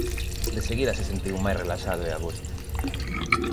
De seguida se sentiu máis relaxado e a gusto.